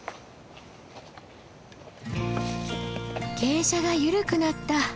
傾斜が緩くなった。